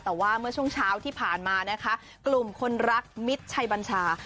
แต่ว่าเมื่อช่วงเช้าที่ผ่านมานะคะกลุ่มคนรักมิตรชัยบัญชา